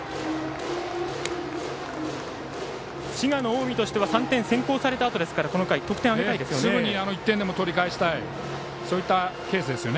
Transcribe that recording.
滋賀の近江としては３点先行されたあとですからこの回、得点を挙げたいですよね。